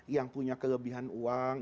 yang punya kelebihan uang